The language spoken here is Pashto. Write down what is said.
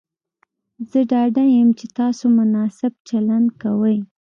زه ډاډه یم چې تاسو مناسب چلند کوئ.